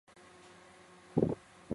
祖父郑肇。